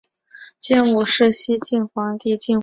建武是西晋皇帝晋惠帝司马衷的第八个年号。